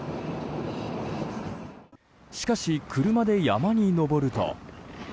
しかし、車で山に登ると。